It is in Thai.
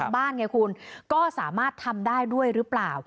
บ้านไงคุณก็สามารถทำได้ด้วยหรือเปล่า